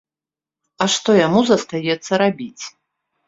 А што яму застаецца рабіць?